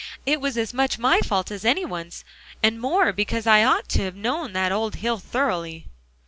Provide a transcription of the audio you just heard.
It was as much my fault as any one's, and more, because I ought to have known that old hill thoroughly."